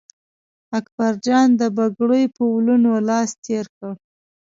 اکبرجان د پګړۍ په ولونو لاس تېر کړ.